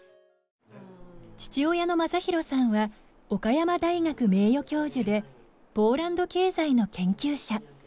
父親の雅弘さんは岡山大学名誉教授でポーランド経済の研究者。